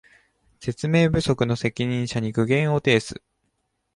説明不足の責任者に苦言を呈す